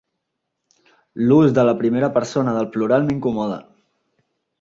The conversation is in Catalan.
L'ús de la primera persona del plural m'incomoda.